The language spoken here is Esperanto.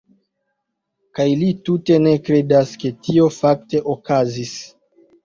Kaj li tute ne kredas, ke tio fakte okazis.